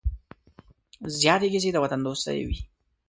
زیاتې کیسې د وطن دوستۍ وې.